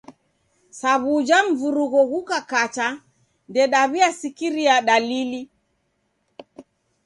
Sa w'uja mvurugho ghukakacha, ndedaw'iasikiria dalili.